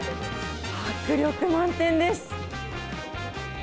迫力満点です！